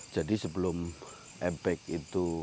jadi sebelum epek itu